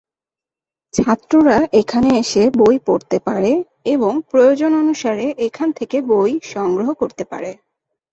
ছাত্ররা এখানে এসে বই পড়তে পারে, এবং প্রয়োজন অনুসারে এখান থেকে বই সংগ্রহ করতে পারে।